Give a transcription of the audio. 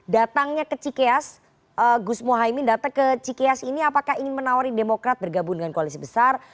datangnya ke cikeas gus mohaimin datang ke cikeas ini apakah ingin menawari demokrat bergabung dengan koalisi besar